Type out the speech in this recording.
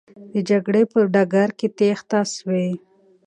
د جګړې په ډګر کې تېښته سوې.